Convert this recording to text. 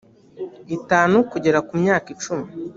itanu kugera ku myaka icumi